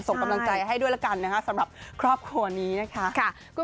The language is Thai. ส่งกำลังใจให้ด้วยละกันนะคะสำหรับครอบครัวนี้นะคะ